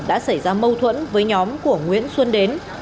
đã xảy ra mâu thuẫn với nhóm của nguyễn xuân đến